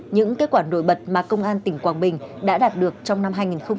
những kết quả nổi bật mà công an tỉnh quảng bình đã đạt được trong năm hai nghìn hai mươi ba